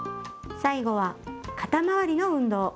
最後は肩回りの運動。